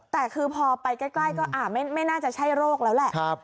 แต่คือพอไปใกล้ก็ไม่น่าจะใช่โรคแล้วแหละ